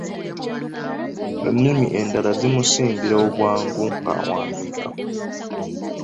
Ennimi endala zimusingira obwangu ng’awandiika.